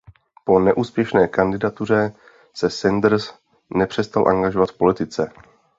Po neúspěšné kandidatuře se Sanders nepřestal angažovat v politice.